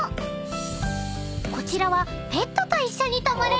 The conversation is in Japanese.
［こちらは］